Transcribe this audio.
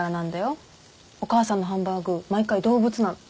お母さんのハンバーグ毎回動物なの。